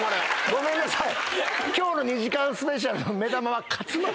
ごめんなさい。